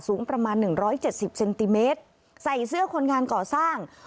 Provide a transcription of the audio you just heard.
สูงประมาณ๑๗๐เซนติเมตรใส่เสื้อคนงานก่อสร้าง